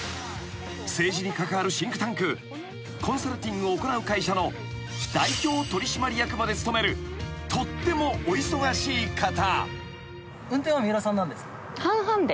［政治に関わるシンクタンクコンサルティングを行う会社の代表取締役まで務めるとってもお忙しい方］